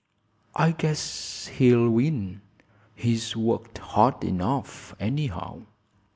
"I guess he'll win. He's worked hard enough, anyhow."